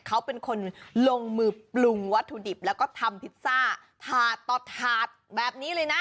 เขาเป็นคนลงมือปรุงวัตถุดิบแล้วก็ทำพิซซ่าถาดต่อถาดแบบนี้เลยนะ